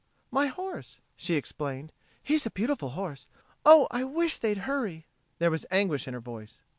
"My horse," she explained. "He's a beautiful horse.... Oh, I wish they'd hurry." There was anguish in her voice.